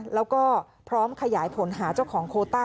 แล้วก็พร้อมขยายผลหาเจ้าของโคต้า